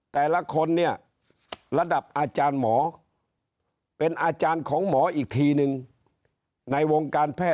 แต่ละคนเนี่ยระดับอาจารย์หมอเป็นอาจารย์ของหมออีกทีนึงในวงการแพทย